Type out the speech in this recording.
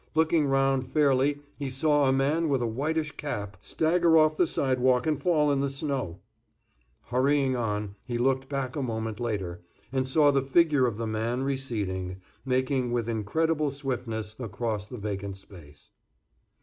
Looking round fairly he saw a man with a whitish cap stagger off the sidewalk and fall in the snow. Hurrying on, he looked back a moment later, and saw the figure of the man, receding, making with incredible swiftness across the vacant space.